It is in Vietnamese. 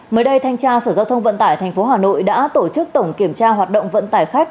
mới đây thanh tra sở giao thông vận tải tp hà nội đã tổ chức tổng kiểm tra hoạt động vận tải khách